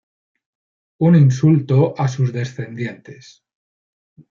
Un insulto a sus descendientes.